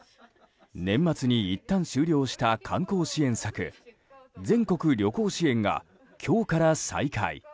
年末にいったん終了した観光支援策、全国旅行支援が今日から再開。